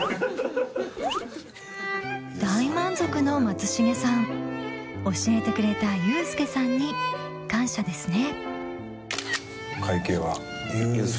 大満足の松重さん教えてくれたユースケさんに感謝ですね